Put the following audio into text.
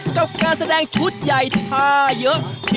กับการแสดงชุดใหญ่ท่าเยอะ